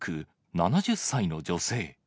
７０歳の女性。